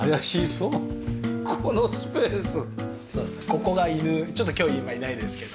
ここが犬ちょっと今日今いないですけど。